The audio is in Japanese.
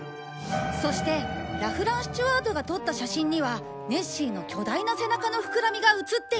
そしてラフラン・スチュワートが撮った写真にはネッシーの巨大な背中の膨らみが写っている。